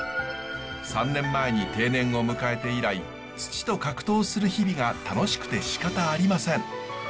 ３年前に定年を迎えて以来土と格闘する日々が楽しくてしかたありません。